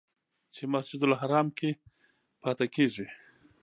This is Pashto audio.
چې مسجدالحرام کې پاتې کېږي.